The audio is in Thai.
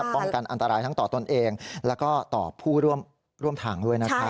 ป้องกันอันตรายทั้งต่อตนเองแล้วก็ต่อผู้ร่วมทางด้วยนะครับ